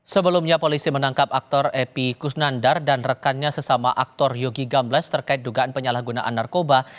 sebelumnya polisi menangkap aktor epi kusnandar dan rekannya sesama aktor yogi gamblas terkait dugaan penyalahgunaan narkoba